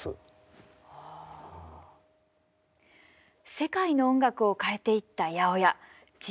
世界の音楽を変えていった８０８。